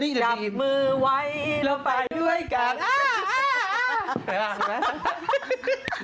ที่เคยให้ไปจริงจักร